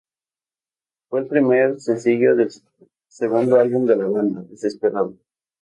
Fue el primer sencillo del segundo álbum de la banda, "Desperado".